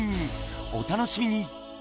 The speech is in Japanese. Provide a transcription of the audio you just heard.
お楽しみに。